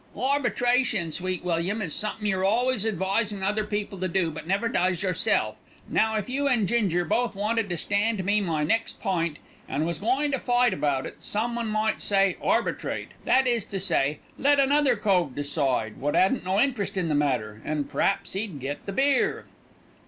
"Arbitration, Sweet William, is somethin' you're always advisin' other people to do, but never does yerself. Now, if you an' Ginger both wanted to stand me my next pint, an' was goin' to fight about it, someone might say 'arbitrate' that is to say, let another cove decide wot 'adn't no interest in the matter, an' p'r'aps he'd get the beer."